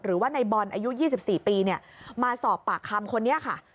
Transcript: หรือว่าในบอลอายุ๒๔ปีมาสอบปากคำคนนี้ค่ะ